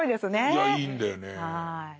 いやいいんだよね。